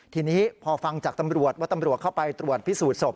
ทีนี้พอฟังจากตำรวจว่าตำรวจเข้าไปตรวจพิสูจนศพ